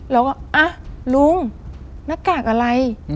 เราก็ลุงหน้ากากอะไร